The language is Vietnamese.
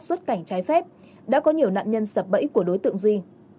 xuất cảnh trái phép đã có nhiều nạn nhân sập bẫy của đối tượng duy